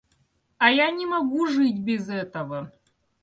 А я не могу жить без этого.